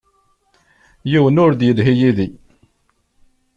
Yiwen ur d-yelhi yid-i.